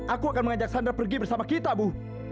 aku akan mengajak sandar pergi bersama kita bu